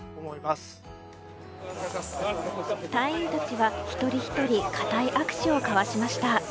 隊員たちは一人ひとり固い握手を交わしました。